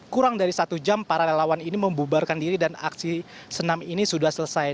kurang dari satu jam para relawan ini membubarkan diri dan aksi senam ini sudah selesai